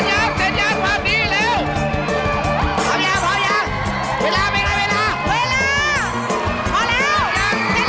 มาดูรูปหน่อยนะฮะ